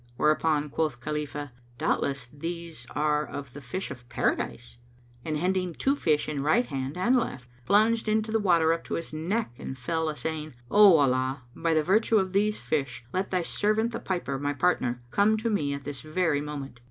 Whereupon quoth Khalifah, "Doubtless these are of the fish of Paradise!" [FN#225] and hending two fish in right hand and left, plunged into the water up to his neck and fell a saying, "O Allah, by the virtue of these fish, let Thy servant the piper, my partner, come to me at this very moment."